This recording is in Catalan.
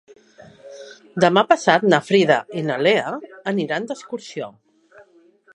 Demà passat na Frida i na Lea aniran d'excursió.